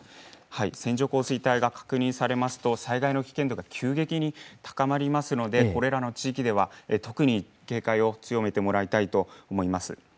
線状降水帯が確認されますと、災害の危険度が急激に高まりますので、これらの地域では特に警戒を強めてもらいたいと思います。